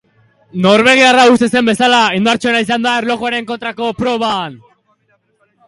Norvegiarra uste zen bezala indartsuena izan da erlojuaren kontrako proban.